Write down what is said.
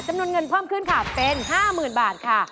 จำนวนเงินเพิ่มขึ้นค่ะเป็น๕๐๐๐บาทค่ะ